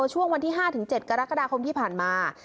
ช่วงวันที่๕๗กรกฎาคมที่ผ่านมา